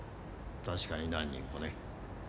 確かに何人もね。